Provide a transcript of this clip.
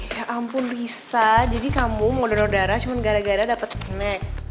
ya ampun lisa jadi kamu mau donor darah cuma gara gara dapat snack